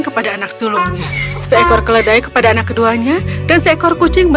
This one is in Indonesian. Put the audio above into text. kenapa ayahnya memberikannya seekor kucing